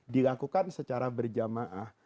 dilakukan secara berjamaah